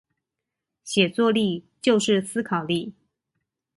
寫作力就是思考力